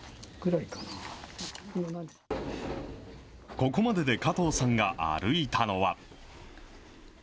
ここまでで加藤さんが歩いたのは。